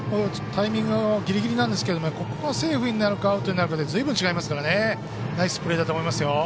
タイミングがギリギリなんですけどここがセーフになるかアウトになるかでずいぶん違いますからナイスプレーだと思いますよ。